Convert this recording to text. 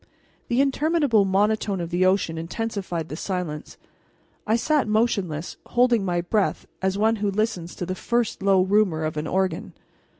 The interminable monotone of the ocean intensified the silence. I sat motionless, holding my breath as one who listens to the first low rumor of an organ.